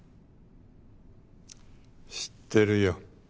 知ってるよ。